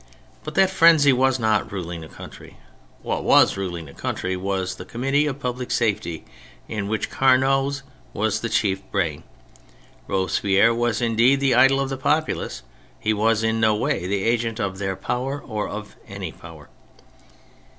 But that frenzy was not ruling the country. What was ruling the country was the Committee of Public Safety, in which Carnot's was the chief brain. Robespierre was indeed the idol of the populace; he was in no way the agent of their power or of any power.